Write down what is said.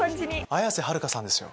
綾瀬はるかさんですよ。